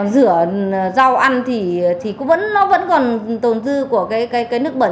rửa rau ăn thì nó vẫn còn tồn tư của cái nước bẩn